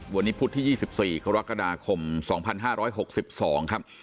วันนี้พุธที่๒๔กรกฎาคม๒๕๖๒ครับ